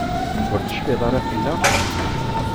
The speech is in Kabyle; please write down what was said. Ur tecfiḍ ara fell-aɣ?